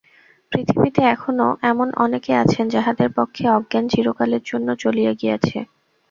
পৃথিবীতে এখনও এমন অনেকে আছেন, যাঁহাদের পক্ষে অজ্ঞান চিরকালের জন্য চলিয়া গিয়াছে।